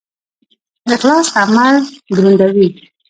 اخلاص عمل دروندوي